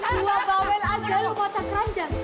dua bawel aja lu mata keranjang